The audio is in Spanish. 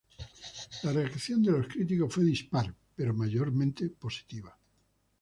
La reacción de los críticos fue dispar, pero mayormente positiva.